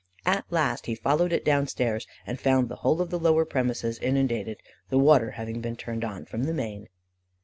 At last he followed it down stairs, and found the whole of the lower premises inundated, the water having been turned on from the main.